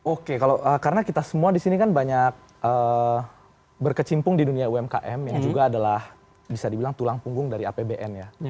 oke karena kita semua disini kan banyak berkecimpung di dunia umkm yang juga adalah bisa dibilang tulang punggung dari apbn ya